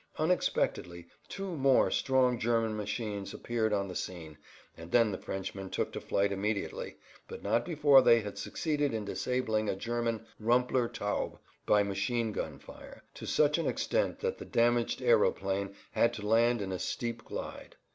Unexpectedly two more strong German machines appeared on the scene, and then the Frenchmen took to flight immediately, but not before they had succeeded in disabling a German Rumpler Taube by machine gun fire to such an extent that the damaged aeroplane had to land in a steep glide.